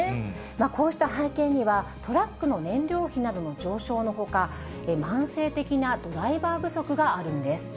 こうした背景には、トラックの燃料費などの上昇のほか、慢性的なドライバー不足があるんです。